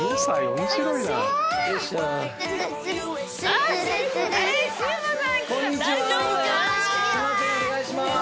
お願いしまーす。